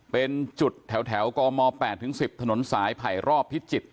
เป็นจุดแถวแถวกรมอล์แปดถึงสิบถนนสายภัยรอบพิจิตร